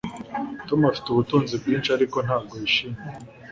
Tom afite ubutunzi bwinshi ariko ntabwo yishimye